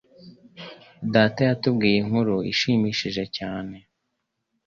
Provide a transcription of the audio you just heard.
Data yatubwiye inkuru ishimishije cyane.